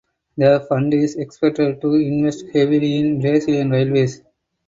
The fund is expected to invest heavily in Brazilian railways.